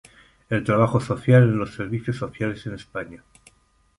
El trabajo social en los servicios sociales en España.